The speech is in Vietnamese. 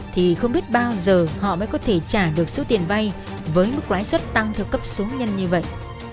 thì không biết bao giờ họ mới có thể trả được số tiền vay với mức lãi suất tăng theo cấp số nhân như vậy